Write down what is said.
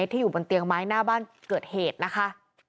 ที่อยู่บนเตียงไม้หน้าบ้านเกิดเหตุนะคะ